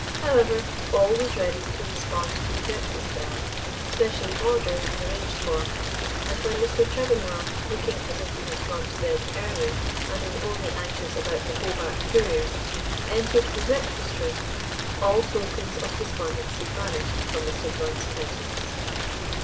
However, all was ready to respond to the breakfast bell, specially ordered and arranged for, and when Mr. Tregonwell, looking as if he had gone to bed early and was only anxious about the Hobart Courier, entered the breakfast room, all tokens of despondency vanished from Mr. Blount's countenance.